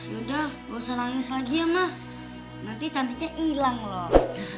yaudah gak usah nangis lagi ya mah nanti cantiknya hilang loh